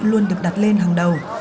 luôn được đặt lên hàng đầu